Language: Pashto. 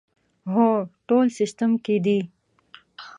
هو، ټول سیسټم کې دي